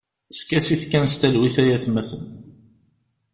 Skasit kan s talwit ay atmaten.